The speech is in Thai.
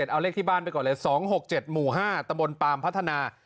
เอาเลขที่บ้านไปก่อนเลย๒๖๗หมู่๕ตะบนปามพัฒนา